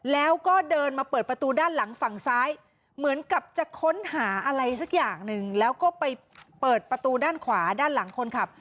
แล้วก็เดินมาเปิดประตูด้านหลังฝั่งซ้ายเหมือนกับจะค้นหาอะไรสักอย่างหนึ่งแล้วก็ไปเปิดประตูด้านขวาด้านหลังคนขับ